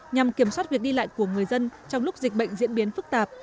nhằm kiểm soát việc đi lại của người dân trong lúc dịch bệnh diễn biến phức tạp